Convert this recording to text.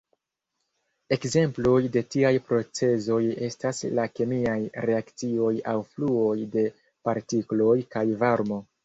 Ekzemploj de tiaj procezoj estas la kemiaj reakcioj aŭ fluoj de partikloj kaj varmo.